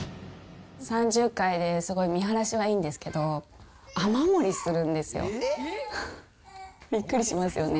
３０階ですごい見晴らしはいいんですけど、雨漏りするんですよ。びっくりしますよね。